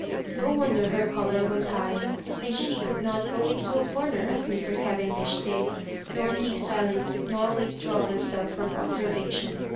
No wonder her colour was high ; and she could not go into a comer, as If r. Cavendish did, nor keep silent, nor withdraw herself from observation.